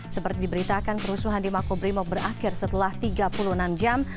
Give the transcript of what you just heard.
seperti diberitakan kerusuhan di makobrimob berakhir setelah tiga puluh enam jam